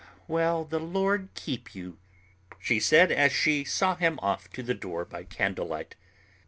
"Well, the Lord keep you," she said, as she saw him off to the door by candlelight.